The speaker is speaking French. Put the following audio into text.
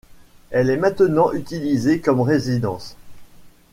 Elle est maintenant utilisée comme résidence.